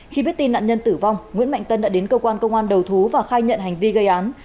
khi biết tin nạn nhân tử vong nguyễn mạnh tân đã đến cơ quan công an đầu thú và khai nhận hành vi gây án